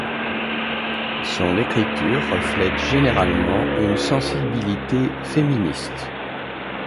Son écriture reflète généralement une sensibilité féministe.